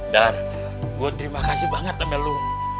dar gua terima kasih banget sama lu